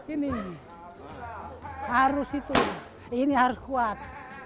ini harus itu ini harus kuat